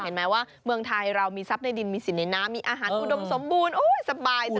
เห็นไหมว่าเมืองไทยเรามีทรัพย์ในดินมีสินในน้ำมีอาหารอุดมสมบูรณ์สบาย